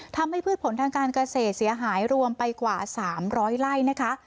ทำให้พืชผลทางการเกษตรเสียหายรวมไปกว่าสามร้อยไล่นะคะ